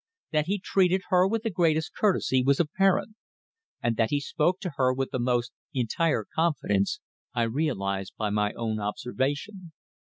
That he treated her with the greatest courtesy was apparent. And that he spoke to her with the most entire confidence I realized by my own observation.